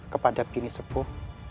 kepada bini sebuah